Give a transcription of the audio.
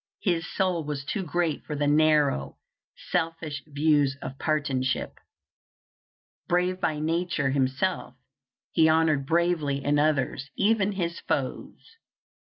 His soul was too great for the narrow, selfish views of partisanship. Brave by nature himself, he honored bravery in others, even his foes.